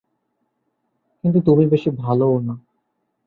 কিন্তু তুমি বেশি ভালোও না।